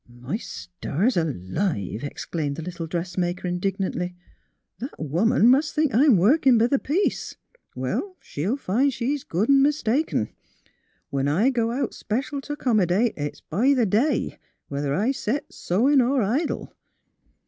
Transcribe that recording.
'' My stars alive! " exclaimed the little dress maker, indignantly. '' That woman mus' think I*m workin' b' th' piece. Well, she'll find she's good an' mistaken; when I go out special t' ac commydate, it's b' th' day, whether I set sewin' er idle."